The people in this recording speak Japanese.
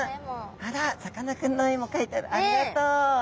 あらさかなクンの絵も描いてあるありがとう！